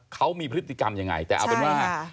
เขามีพฤติกรรมยังไงแต่เอาเป็นว่า